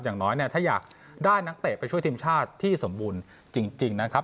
อย่างน้อยเนี่ยถ้าอยากได้นักเตะไปช่วยทีมชาติที่สมบูรณ์จริงนะครับ